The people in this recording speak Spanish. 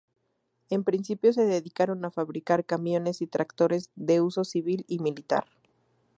En principio se dedicaron a fabricar camiones y tractores, de uso civil y militar.